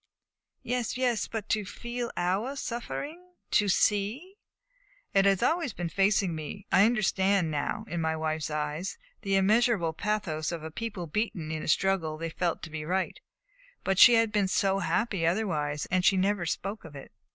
"Yes, yes; but to feel our suffering, to see " "It has always been facing me, I understand now, in my wife's eyes the immeasurable pathos of a people beaten in a struggle they felt to be right; but she had been so happy otherwise, and she never spoke of it."